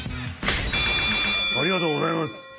ありがとうございます。